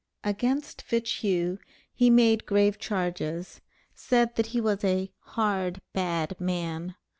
Against Fitchhugh he made grave charges, said that he was a "hard, bad man."